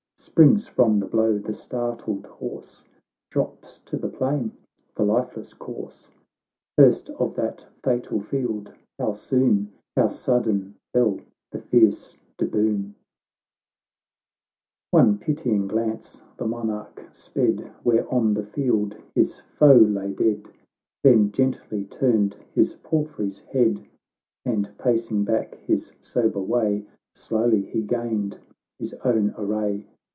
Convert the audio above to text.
Springs from the blow the startled horse, Drops to the plain the lifeless corse ;— First of that fatal field, how soon, How sudden, fell the fierce De Boune ! XVI One pitying glance the Monarch sped, Where on the field his foe lay dead ; Then gently turned his palfrey's head, And, pacing back his sober way, Slowly he gained his own array.